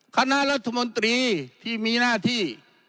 คณะรัฐมนตรีที่มีหน้าที่